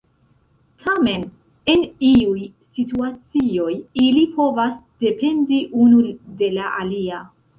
Tamen, en iuj situacioj ili povas dependi unu de la alia.